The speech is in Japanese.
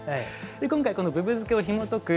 今回ぶぶ漬けをひもとく